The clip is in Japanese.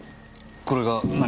これが何か？